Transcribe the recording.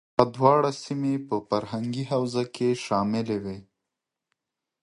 دا دواړه سیمې په فرهنګي حوزه کې شاملې وې.